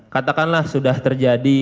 katakanlah sudah terjadi